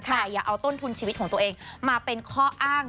แต่อย่าเอาต้นทุนชีวิตของตัวเองมาเป็นข้ออ้าง